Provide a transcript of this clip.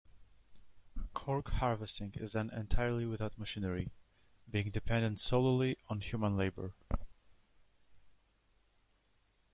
Cork harvesting is done entirely without machinery, being dependent solely on human labor.